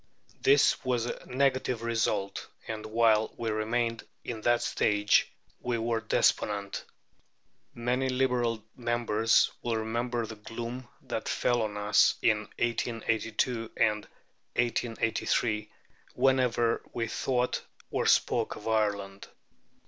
This was a negative result, and while we remained in that stage we were despondent. Many Liberal members will remember the gloom that fell on us in 1882 and 1883 whenever we thought or spoke of Ireland.